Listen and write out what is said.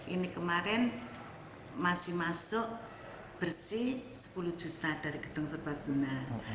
ini kemarin masih masuk bersih sepuluh juta dari gedung serbaguna